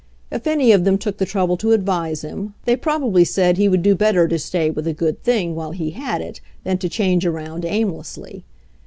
If any of them took the trouble to advise him, they probably said he would do better to stay with a good thing while he had it than to change around aimlessly.